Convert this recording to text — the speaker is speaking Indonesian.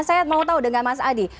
saya mau tahu dengan mas adi